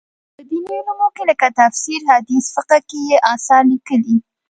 په دیني علومو لکه تفسیر، حدیث، فقه کې یې اثار لیکلي.